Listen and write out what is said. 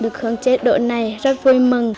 được hưởng chế độ này rất vui mừng